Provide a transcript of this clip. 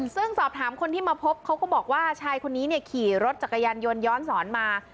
ซึ่งสอบถามคนที่มาพบเขาก็บอกว่าชายคนนี้ขี่รถจักรยานยนต์ย้อนสอนมา